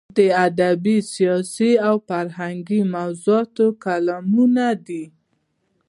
د ادبي، سیاسي او فرهنګي موضوعاتو کالمونه دي.